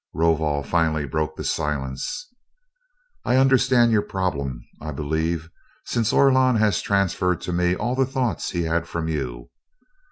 Rovol finally broke the silence. "I understand your problem, I believe, since Orlon has transferred to me all the thoughts he had from you.